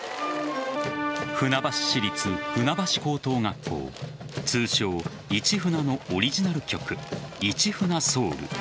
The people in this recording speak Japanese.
船橋市立船橋高等学校通称・市船のオリジナル曲「市船ｓｏｕｌ」